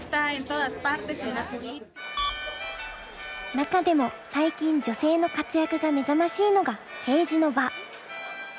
中でも最近女性の活躍が目覚ましいのが政治の場。